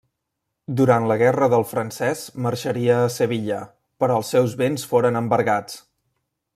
Durant la guerra del francès marxaria a Sevilla, però els seus béns foren embargats.